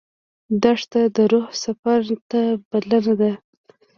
دښته د روح سفر ته بلنه ده.